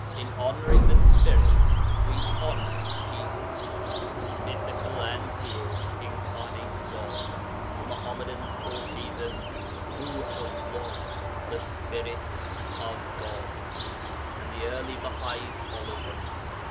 In honouring the Spirit we honour Jesus, the mythical and yet real incarnate God. The Muḥammadans call Jesus ruḥu'llah, 'the Spirit of God,' and the early Bahais followed them.